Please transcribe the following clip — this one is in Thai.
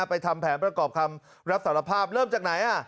ทำแผนประกอบคำรับสารภาพเริ่มจากไหน